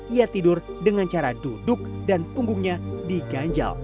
ia tidur dengan cara duduk dan punggungnya diganjal